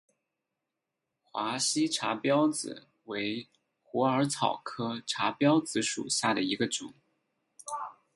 华西茶藨子为虎耳草科茶藨子属下的一个种。